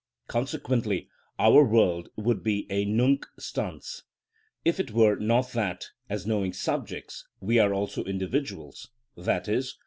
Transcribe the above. Consequently our world would be a nunc stans, if it were not that, as knowing subjects, we are also individuals, _i.e.